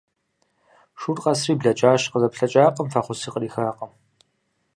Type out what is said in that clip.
Шур къэсри блэкӏащ, къызэплъэкӏакъым, фӏэхъуси кърихакъым.